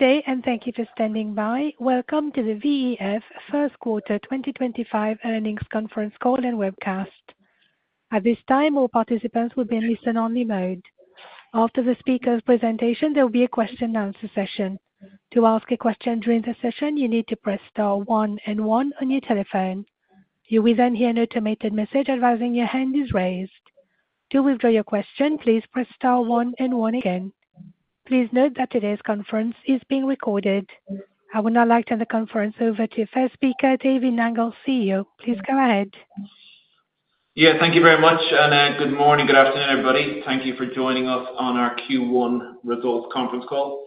Good day, and thank you for standing by. Welcome to the VEF First Quarter 2025 Earnings Conference Call and Webcast. At this time, all participants will be in listen-only mode. After the speaker's presentation, there will be a question-and-answer session. To ask a question during the session, you need to press star one and one on your telephone. You will then hear an automated message advising your hand is raised. To withdraw your question, please press star one and one again. Please note that today's conference is being recorded. I will now like to turn the conference over to VEF Speaker Dave Nangle, CEO. Please go ahead. Yeah, thank you very much, and good morning, good afternoon, everybody. Thank you for joining us on our Q1 results conference call.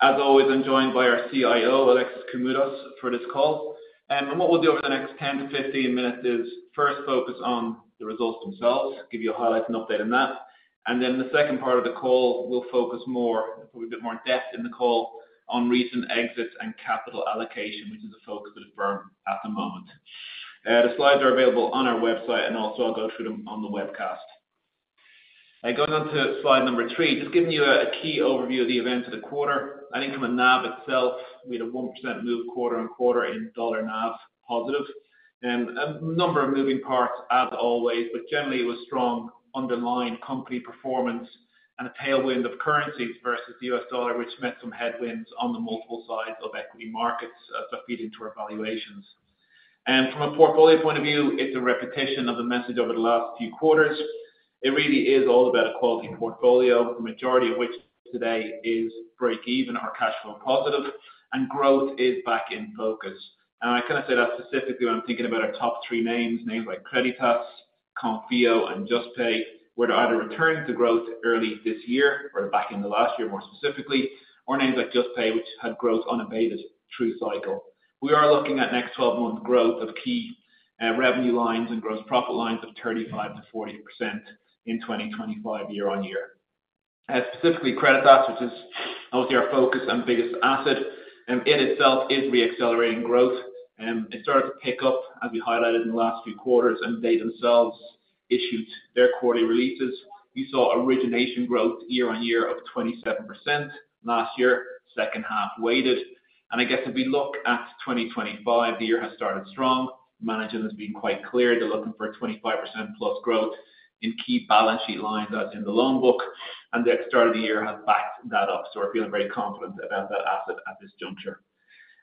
As always, I'm joined by our CIO, Alexis Koumoudos, for this call. What we'll do over the next 10 to 15 minutes is first focus on the results themselves, give you a highlight and update on that. The second part of the call, we'll focus more, probably a bit more in depth in the call, on recent exits and capital allocation, which is the focus of the firm at the moment. The slides are available on our website, and also I'll go through them on the webcast. Going on to slide number three, just giving you a key overview of the events of the quarter. I think from the NAV itself, we had a 1% move quarter on quarter in dollar NAV positive. A number of moving parts, as always, but generally it was strong underlying company performance and a tailwind of currencies versus the US dollar, which met some headwinds on the multiple sides of equity markets that feed into our valuations. From a portfolio point of view, it's a repetition of the message over the last few quarters. It really is all about a quality portfolio, the majority of which today is break-even or cash flow positive, and growth is back in focus. I kind of say that specifically when I'm thinking about our top three names, names like Creditas, Konfio, and Juspay, where they're either returning to growth early this year or back in the last year more specifically, or names like Juspay, which had growth unabated through cycle. We are looking at next 12-month growth of key revenue lines and gross profit lines of 35-40% in 2025 year on year. Specifically, Creditas, which is obviously our focus and biggest asset, in itself is re-accelerating growth. It started to pick up, as we highlighted in the last few quarters, and they themselves issued their quarterly releases. We saw origination growth year on year of 27% last year, second half weighted. I guess if we look at 2025, the year has started strong. Management has been quite clear. They're looking for 25% plus growth in key balance sheet lines as in the loan book, and the start of the year has backed that up. We are feeling very confident about that asset at this juncture.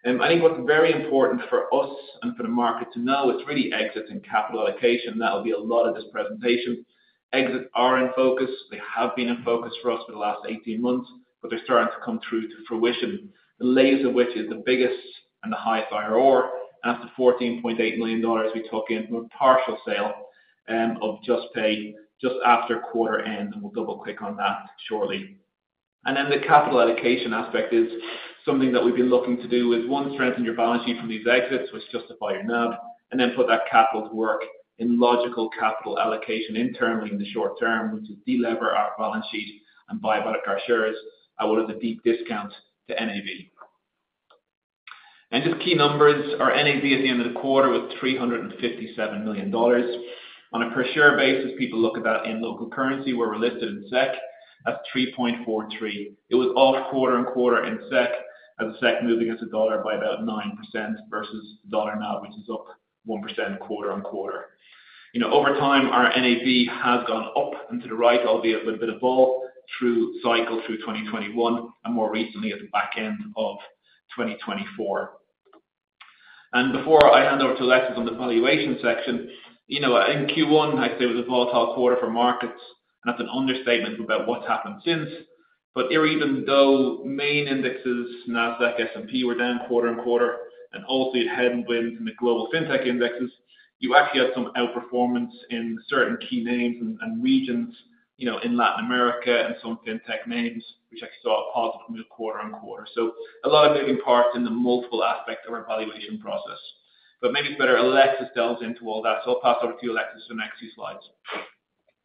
I think what is very important for us and for the market to know is really exits and capital allocation. That'll be a lot of this presentation. Exits are in focus. They have been in focus for us for the last 18 months, but they're starting to come true to fruition, the latest of which is the biggest and the highest IRR, and up to $14.8 million we took in from a partial sale of Juspay just after quarter end, and we'll double-click on that shortly. The capital allocation aspect is something that we've been looking to do is, one, strengthen your balance sheet from these exits, which justify your NAV, and then put that capital to work in logical capital allocation internally in the short term, which is de-lever our balance sheet and buy back our shares at what is a deep discount to NAV. Just key numbers are NAV at the end of the quarter was $357 million. On a per-share basis, people look at that in local currency where we're listed in SEK as 3.43. It was off quarter on quarter in SEK, as the SEK moving as a dollar by about 9% versus dollar NAV, which is up 1% quarter on quarter. Over time, our NAV has gone up and to the right, albeit with a bit of a bull through cycle through 2021 and more recently at the back end of 2024. Before I hand over to Alexis on the valuation section, in Q1, I'd say it was a volatile quarter for markets, and that's an understatement about what's happened since. Even though main indexes, Nasdaq, S&P, were down quarter on quarter, and also you had headwinds in the global fintech indexes, you actually had some outperformance in certain key names and regions in Latin America and some fintech names, which actually saw a positive move quarter-on-quarter. A lot of moving parts in the multiple aspect of our valuation process. Maybe it's better Alexis delves into all that. I'll pass over to you, Alexis, for the next few slides.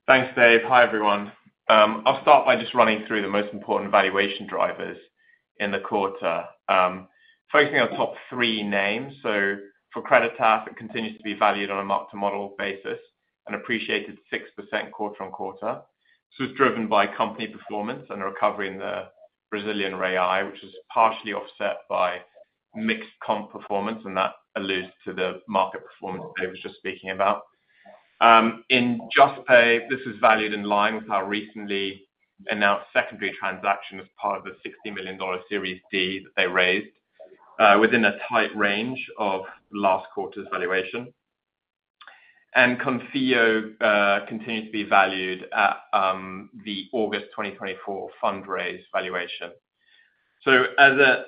Thanks, Dave. Hi, everyone. I'll start by just running through the most important valuation drivers in the quarter, focusing on top three names. For Creditas, it continues to be valued on a mark-to-model basis and appreciated 6% quarter-on-quarter. This was driven by company performance and a recovery in the Brazilian Real, which was partially offset by mixed comp performance, and that alludes to the market performance Dave was just speaking about. In Juspay, this was valued in line with our recently announced secondary transaction as part of the $60 million Series D that they raised within a tight range of last quarter's valuation. Konfio continues to be valued at the August 2024 fundraise valuation. As of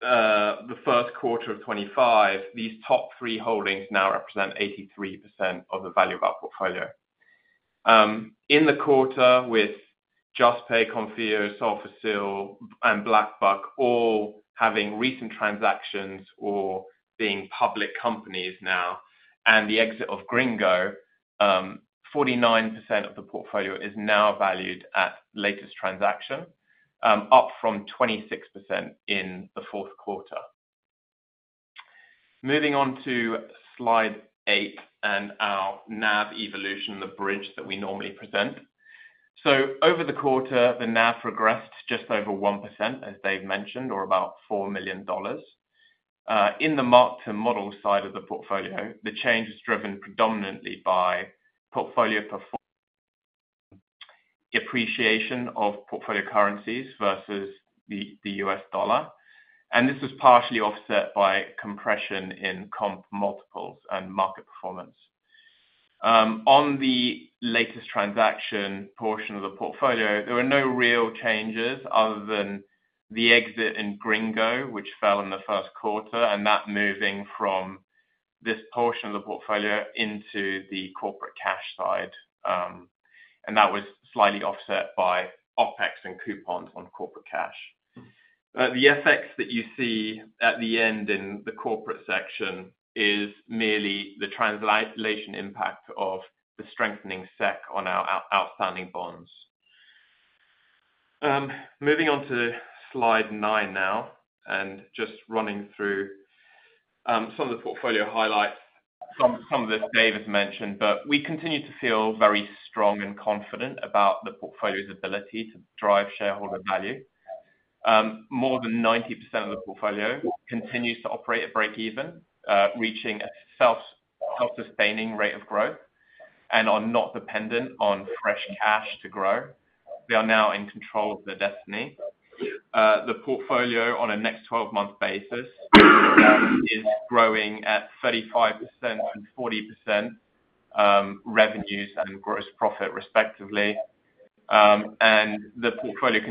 the first quarter of 2025, these top three holdings now represent 83% of the value of our portfolio. In the quarter with Juspay, Konfio, SofaScore, and BlackBuck, all having recent transactions or being public companies now, and the exit of Gringo, 49% of the portfolio is now valued at latest transaction, up from 26% in the fourth quarter. Moving on to slide eight and our NAV evolution, the bridge that we normally present. Over the quarter, the NAV progressed just over 1%, as Dave mentioned, or about $4 million. In the mark-to-model side of the portfolio, the change was driven predominantly by portfolio appreciation of portfolio currencies versus the U.S. dollar, and this was partially offset by compression in comp multiples and market performance. On the latest transaction portion of the portfolio, there were no real changes other than the exit in Gringo, which fell in the first quarter, and that moving from this portion of the portfolio into the corporate cash side, and that was slightly offset by OpEx and coupons on corporate cash. The effects that you see at the end in the corporate section is merely the translation impact of the strengthening SEK on our outstanding bonds. Moving on to slide nine now and just running through some of the portfolio highlights, some of which Dave has mentioned, but we continue to feel very strong and confident about the portfolio's ability to drive shareholder value. More than 90% of the portfolio continues to operate at break-even, reaching a self-sustaining rate of growth, and are not dependent on fresh cash to grow. They are now in control of their destiny. The portfolio, on a next 12-month basis, is growing at 35% and 40% revenues and gross profit, respectively. The portfolio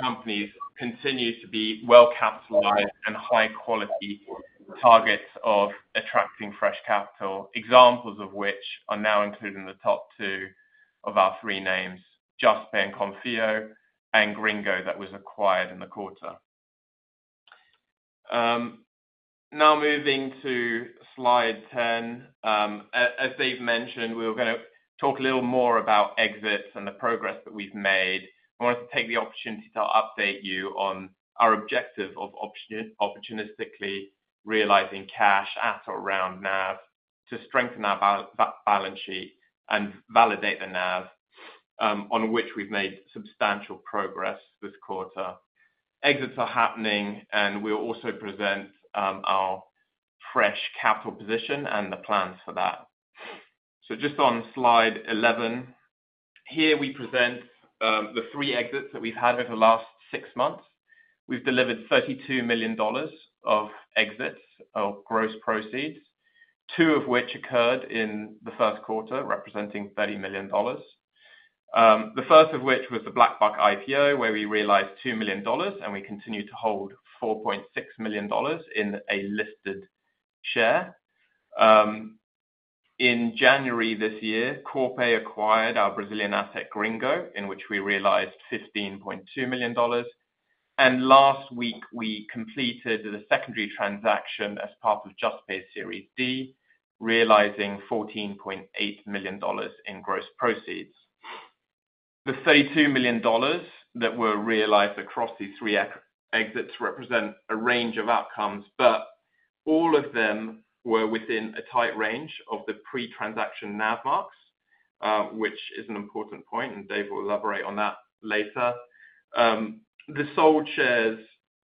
companies continue to be well-capitalized and high-quality targets of attracting fresh capital, examples of which are now included in the top two of our three names, Juspay, Konfio, and Gringo that was acquired in the quarter. Now moving to slide 10, as Dave mentioned, we were going to talk a little more about exits and the progress that we've made. I wanted to take the opportunity to update you on our objective of opportunistically realizing cash at or around NAV to strengthen our balance sheet and validate the NAV, on which we've made substantial progress this quarter. Exits are happening, and we'll also present our fresh capital position and the plans for that. Just on slide 11, here we present the three exits that we've had over the last six months. We've delivered $32 million of exits or gross proceeds, two of which occurred in the first quarter, representing $30 million. The first of which was the BlackBuck IPO, where we realized $2 million, and we continue to hold $4.6 million in a listed share. In January this year, Corpay acquired our Brazilian asset, Gringo, in which we realized $15.2 million. Last week, we completed the secondary transaction as part of Juspay Series D, realizing $14.8 million in gross proceeds. The $32 million that were realized across these three exits represent a range of outcomes, but all of them were within a tight range of the pre-transaction NAV marks, which is an important point, and Dave will elaborate on that later. The sold shares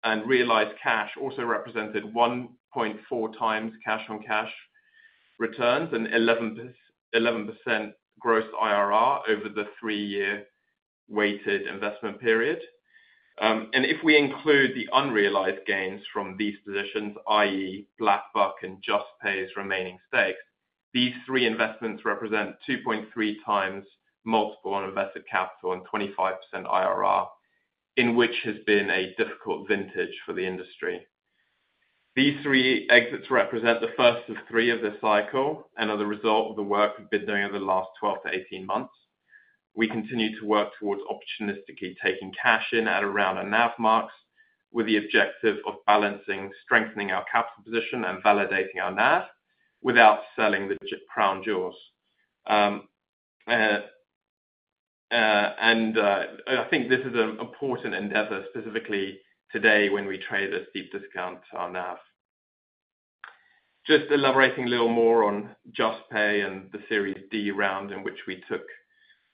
and realized cash also represented 1.4 times cash-on-cash returns and 11% gross IRR over the three-year weighted investment period. If we include the unrealized gains from these positions, i.e., BlackBuck and Juspay's remaining stakes, these three investments represent 2.3 times multiple on invested capital and 25% IRR, in what has been a difficult vintage for the industry. These three exits represent the first three of this cycle and are the result of the work we've been doing over the last 12 to 18 months. We continue to work towards opportunistically taking cash in at around our NAV marks with the objective of balancing, strengthening our capital position and validating our NAV without selling the crown jewels. I think this is an important endeavor specifically today when we trade at deep discount to our NAV. Just elaborating a little more on Juspay and the Series D round in which we took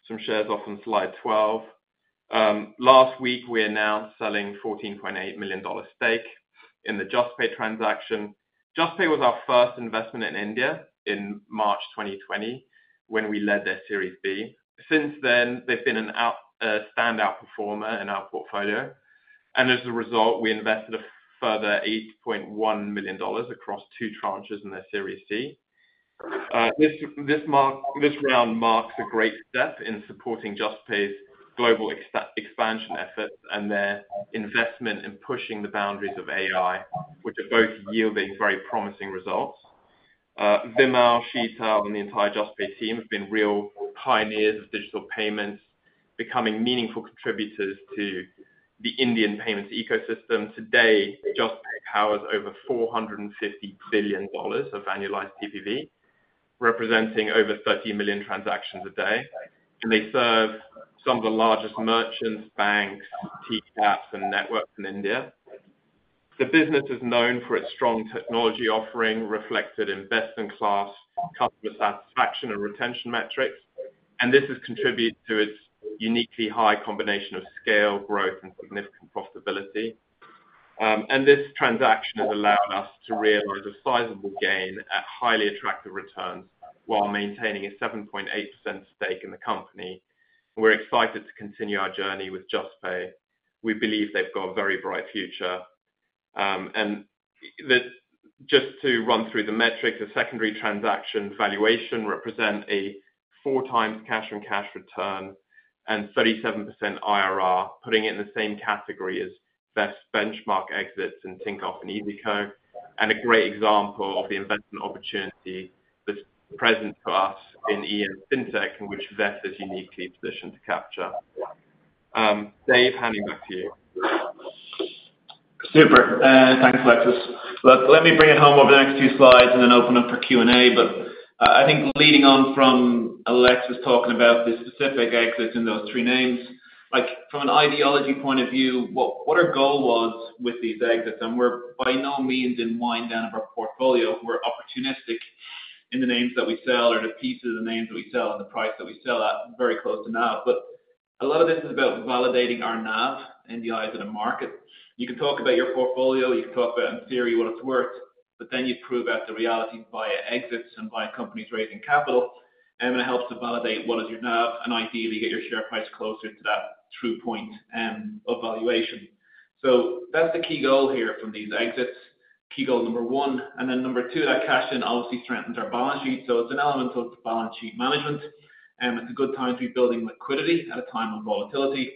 some shares off on slide 12. Last week, we announced selling $14.8 million stake in the Juspay transaction. Juspay was our first investment in India in March 2020 when we led their Series B. Since then, they've been a standout performer in our portfolio. As a result, we invested a further $8.1 million across two tranches in their Series C. This round marks a great step in supporting Juspay's global expansion efforts and their investment in pushing the boundaries of AI, which are both yielding very promising results. Vimal Sheth and the entire Juspay team have been real pioneers of digital payments, becoming meaningful contributors to the Indian payments ecosystem. Today, Juspay powers over $450 billion of annualized TPV, representing over 30 million transactions a day. They serve some of the largest merchants, banks, TPAPs, and networks in India. The business is known for its strong technology offering, reflected in best-in-class customer satisfaction and retention metrics. This has contributed to its uniquely high combination of scale, growth, and significant profitability. This transaction has allowed us to realize a sizable gain at highly attractive returns while maintaining a 7.8% stake in the company. We're excited to continue our journey with Juspay. We believe they've got a very bright future. Just to run through the metrics, the secondary transaction valuation represents a four times cash-on-cash return and 37% IRR, putting it in the same category as VEF's benchmark exits in Tinkoff and EZCO, and a great example of the investment opportunity that's present for us in EM fintech, in which VEF is uniquely positioned to capture. Dave, handing back to you. Super. Thanks, Alexis. Let me bring it home over the next few slides and then open up for Q&A. I think leading on from Alexis talking about the specific exits in those three names, from an ideology point of view, what our goal was with these exits, and we're by no means in wind down of our portfolio. We're opportunistic in the names that we sell or the pieces of the names that we sell and the price that we sell at very close to NAV. A lot of this is about validating our NAV in the eyes of the market. You can talk about your portfolio. You can talk about, in theory, what it's worth, but then you prove out the reality via exits and by companies raising capital. It helps to validate what is your NAV and ideally get your share price closer to that true point of valuation. That is the key goal here from these exits, key goal number one. Number two, that cash in obviously strengthens our balance sheet. It is an element of balance sheet management. It is a good time to be building liquidity at a time of volatility.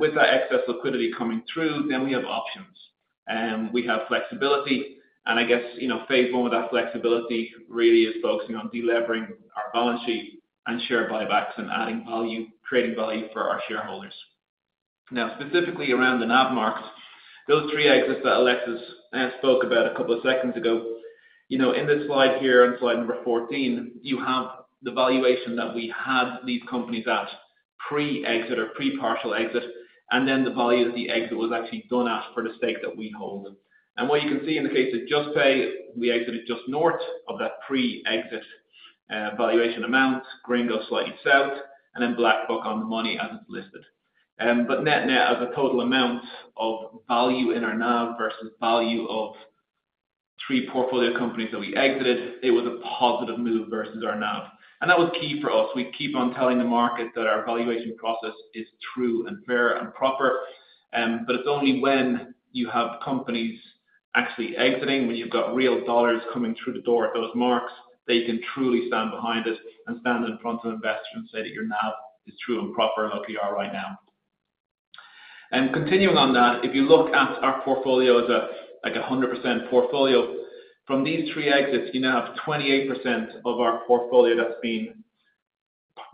With that excess liquidity coming through, we have options. We have flexibility. I guess phase one with that flexibility really is focusing on delivering our balance sheet and share buybacks and adding value, creating value for our shareholders. Now, specifically around the NAV market, those three exits that Alexis spoke about a couple of seconds ago, in this slide here on slide number 14, you have the valuation that we had these companies at pre-exit or pre-partial exit, and then the value that the exit was actually done at for the stake that we hold. What you can see in the case of Juspay, we exited just north of that pre-exit valuation amount. Gringo slightly south, and then BlackBuck on the money as it's listed. Net-net, as a total amount of value in our NAV versus value of three portfolio companies that we exited, it was a positive move versus our NAV. That was key for us. We keep on telling the market that our valuation process is true and fair and proper. It's only when you have companies actually exiting, when you've got real dollars coming through the door at those marks, that you can truly stand behind it and stand in front of investors and say that your NAV is true and proper like we are right now. Continuing on that, if you look at our portfolio as a 100% portfolio, from these three exits, you now have 28% of our portfolio that's been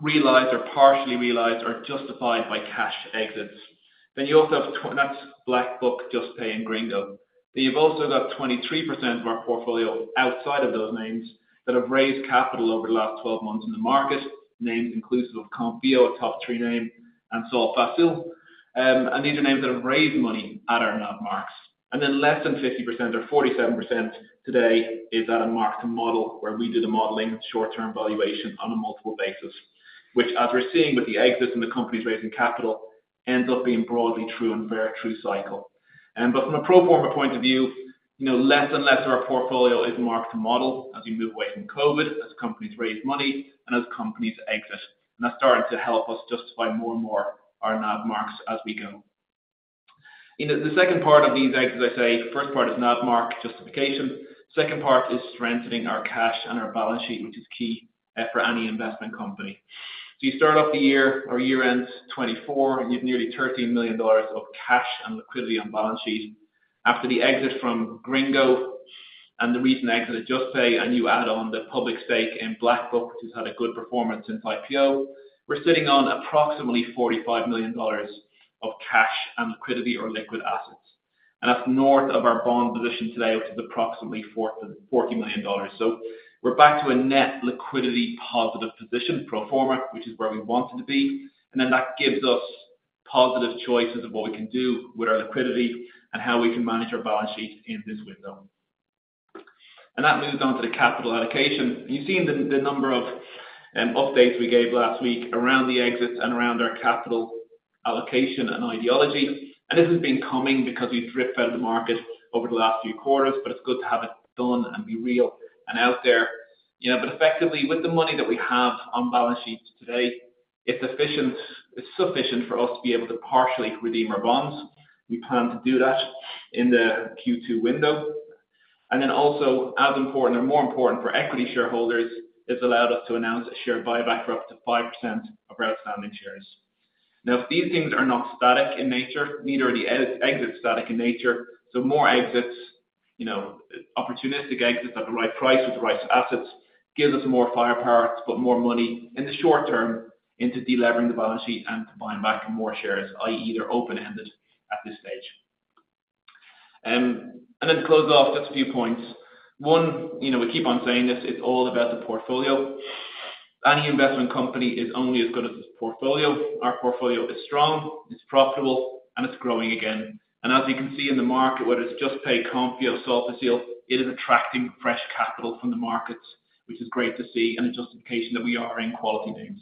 realized or partially realized or justified by cash exits. You also have BlackBuck, Juspay, and Gringo. You also have 23% of our portfolio outside of those names that have raised capital over the last 12 months in the market, names inclusive of Konfio, a top three name, and SofaScore. These are names that have raised money at our NAV marks. Less than 50% or 47% today is at a mark-to-model where we do the modeling short-term valuation on a multiple basis, which, as we're seeing with the exits and the companies raising capital, ends up being broadly true and very true cycle. From a pro forma point of view, less and less of our portfolio is mark-to-model as we move away from COVID, as companies raise money, and as companies exit. That is starting to help us justify more and more our NAV marks as we go. The second part of these exits, as I say, the first part is NAV mark justification. The second part is strengthening our cash and our balance sheet, which is key for any investment company. You start off the year or year-end 2024, and you have nearly $13 million of cash and liquidity on balance sheet. After the exit from Gringo and the recent exit of Juspay, and you add on the public stake in BlackBuck, which has had a good performance since IPO, we're sitting on approximately $45 million of cash and liquidity or liquid assets. That is north of our bond position today, which is approximately $40 million. We are back to a net liquidity positive position pro forma, which is where we wanted to be. That gives us positive choices of what we can do with our liquidity and how we can manage our balance sheet in this window. That moves on to the capital allocation. You have seen the number of updates we gave last week around the exits and around our capital allocation and ideology. This has been coming because we've drifted out of the market over the last few quarters, but it's good to have it done and be real and out there. Effectively, with the money that we have on balance sheets today, it's sufficient for us to be able to partially redeem our bonds. We plan to do that in the Q2 window. Also, as important or more important for equity shareholders, it's allowed us to announce a share buyback for up to 5% of our outstanding shares. Now, these things are not static in nature, neither are the exits static in nature. More exits, opportunistic exits at the right price with the right assets, gives us more firepower to put more money in the short term into delivering the balance sheet and buying back more shares, i.e., they're open-ended at this stage. To close off, just a few points. One, we keep on saying this, it's all about the portfolio. Any investment company is only as good as its portfolio. Our portfolio is strong, it's profitable, and it's growing again. As you can see in the market, whether it's Juspay, Konfio, SofaScore, it is attracting fresh capital from the markets, which is great to see and a justification that we are in quality names.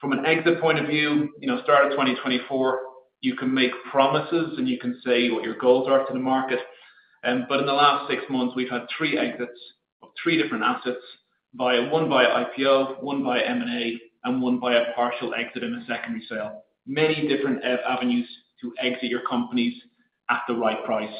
From an exit point of view, start of 2024, you can make promises and you can say what your goals are to the market. In the last six months, we've had three exits of three different assets, one via IPO, one via M&A, and one via partial exit in a secondary sale. Many different avenues to exit your companies at the right price.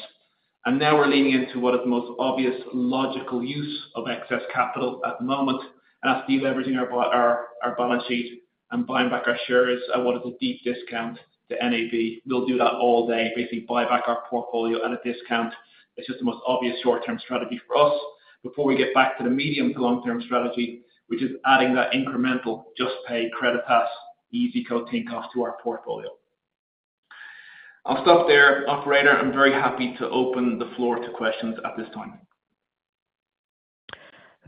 Now we're leaning into what is the most obvious logical use of excess capital at the moment. That is deleveraging our balance sheet and buying back our shares at what is a deep discount to NAV. We'll do that all day, basically buy back our portfolio at a discount. It's just the most obvious short-term strategy for us before we get back to the medium to long-term strategy, which is adding that incremental Juspay, Creditas, EZCO, Tinkoff to our portfolio. I'll stop there, operator. I'm very happy to open the floor to questions at this time.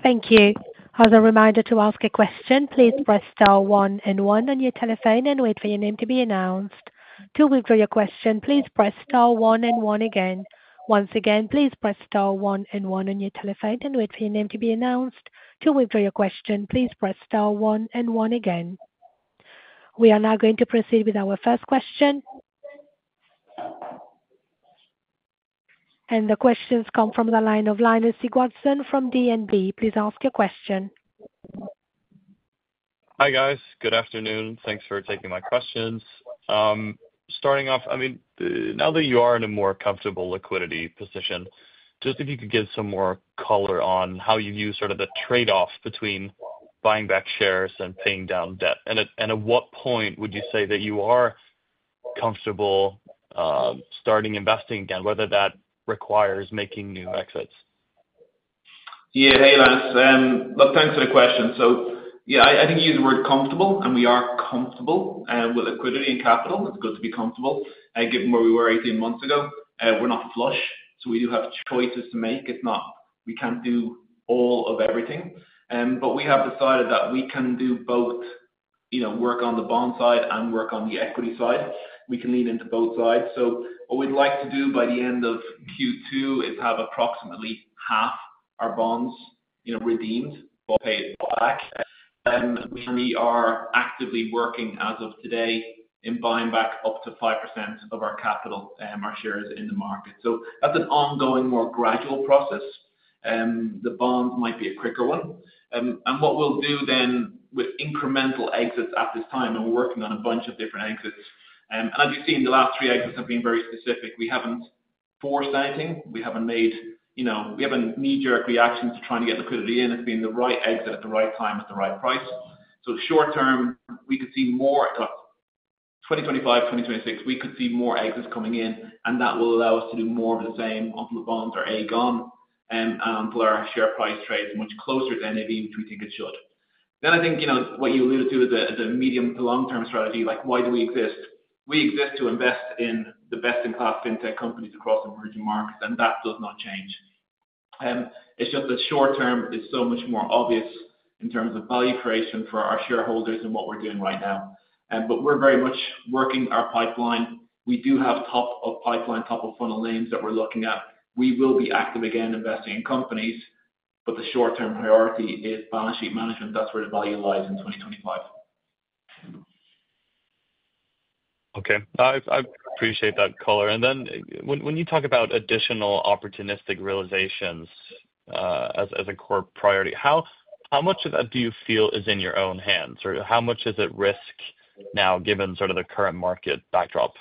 Thank you. As a reminder to ask a question, please press star one and one on your telephone and wait for your name to be announced. To withdraw your question, please press star one and one again. Once again, please press star one and one on your telephone and wait for your name to be announced. To withdraw your question, please press star one and one again. We are now going to proceed with our first question. The questions come from the line of Linus Sigurdson from DNB. Please ask your question. Hi guys. Good afternoon. Thanks for taking my questions. Starting off, I mean, now that you are in a more comfortable liquidity position, just if you could give some more color on how you view sort of the trade-off between buying back shares and paying down debt. At what point would you say that you are comfortable starting investing again, whether that requires making new exits? Yeah, hey guys. Look, thanks for the question. Yeah, I think you used the word comfortable, and we are comfortable with liquidity and capital. It's good to be comfortable. Given where we were 18 months ago, we're not flush, so we do have choices to make. We can't do all of everything. We have decided that we can do both, work on the bond side and work on the equity side. We can lean into both sides. What we'd like to do by the end of Q2 is have approximately half our bonds redeemed. Pay it back. We are actively working as of today in buying back up to 5% of our capital and our shares in the market. That's an ongoing, more gradual process. The bond might be a quicker one. What we will do with incremental exits at this time, and we are working on a bunch of different exits. As you have seen, the last three exits have been very specific. We have not forced anything. We have not made knee-jerk reactions to trying to get liquidity in. It has been the right exit at the right time at the right price. Short term, we could see more in 2025, 2026, we could see more exits coming in, and that will allow us to do more of the same onto the bonds or AGON and onto our share price trades much closer to NAV, which we think it should. I think what you alluded to is a medium to long-term strategy. Why do we exist? We exist to invest in the best-in-class fintech companies across emerging markets, and that does not change. It's just that short term is so much more obvious in terms of value creation for our shareholders and what we're doing right now. We are very much working our pipeline. We do have top-of-pipeline, top-of-funnel names that we're looking at. We will be active again investing in companies, but the short-term priority is balance sheet management. That's where the value lies in 2025. Okay. I appreciate that color. When you talk about additional opportunistic realizations as a core priority, how much of that do you feel is in your own hands? Or how much is at risk now given sort of the current market backdrop?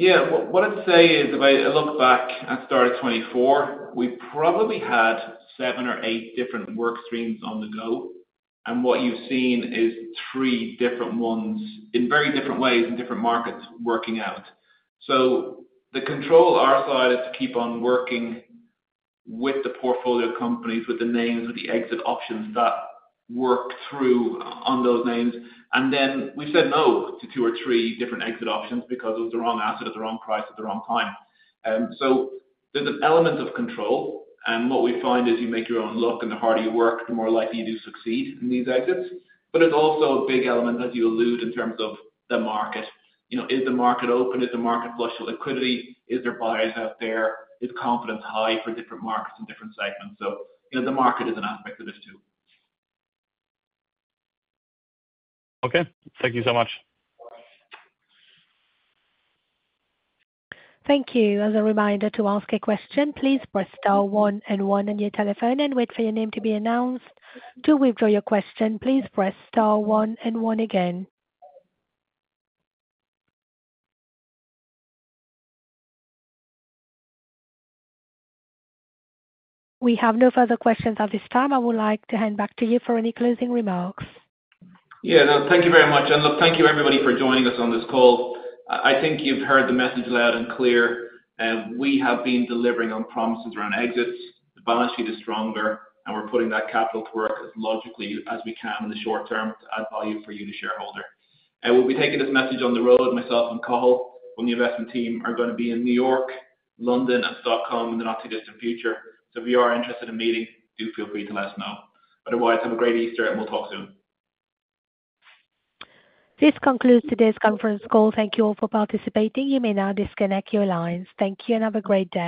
Yeah. What I'd say is if I look back at start of 2024, we probably had seven or eight different workstreams on the go. What you've seen is three different ones in very different ways in different markets working out. The control on our side is to keep on working with the portfolio companies, with the names, with the exit options that work through on those names. We've said no to two or three different exit options because it was the wrong asset at the wrong price at the wrong time. There's an element of control. What we find is you make your own luck, and the harder you work, the more likely you do succeed in these exits. It's also a big element, as you allude, in terms of the market. Is the market open? Is the market flush with liquidity? Is there buyers out there? Is confidence high for different markets in different segments? The market is an aspect of this too. Okay. Thank you so much. Thank you. As a reminder to ask a question, please press star one and one on your telephone and wait for your name to be announced. To withdraw your question, please press star one and one again. We have no further questions at this time. I would like to hand back to you for any closing remarks. Yeah. No, thank you very much. Look, thank you everybody for joining us on this call. I think you've heard the message loud and clear. We have been delivering on promises around exits. The balance sheet is stronger, and we're putting that capital to work as logically as we can in the short term to add value for you, the shareholder. We will be taking this message on the road. Myself and Alexis Koumoudos from the investment team are going to be in New York, London, and Stockholm in the not-too-distant future. If you are interested in meeting, do feel free to let us know. Otherwise, have a great Easter, and we'll talk soon. This concludes today's conference call. Thank you all for participating. You may now disconnect your lines. Thank you and have a great day.